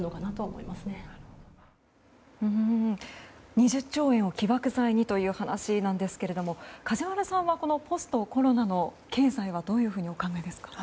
２０兆円を起爆剤にという話なんですが梶原さんはポストコロナの経済はどうお考えですか。